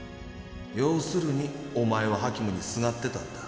要するにおまえはハキムにすがってたんだ。